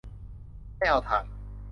ไม่เอาถ่าน